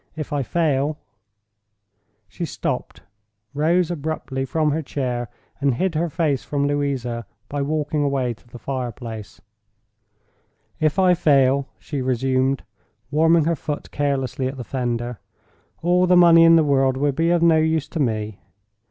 If I fail—" She stopped, rose abruptly from her chair, and hid her face from Louisa by walking away to the fire place. "If I fail," she resumed, warming her foot carelessly at the fender, "all the money in the world will be of no use to me.